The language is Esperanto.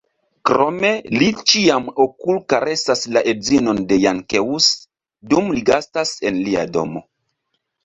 Krome, li ĉiam okulkaresas la edzinon de Jankeus dum li gastas en lia domo.